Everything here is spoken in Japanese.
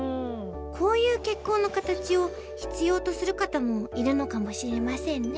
こういう結婚の形を必要とする方もいるのかもしれませんね。